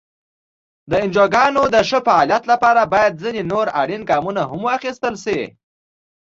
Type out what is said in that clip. د انجوګانو د ښه فعالیت لپاره باید ځینې نور اړین ګامونه هم واخیستل شي.